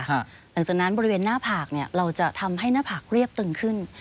หลังจากนั้นบริเวณหน้าผากเราจะทำให้หน้าผากเรียบตึงขึ้น